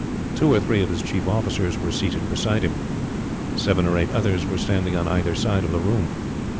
Two or three of his chief officers were seated beside him. Seven or eight others were standing on either side of the room.